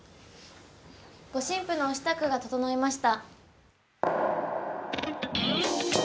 ご新婦のお支度が整いました。